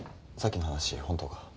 さっきの話本当か？